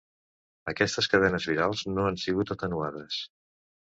Aquestes cadenes virals no han sigut atenuades.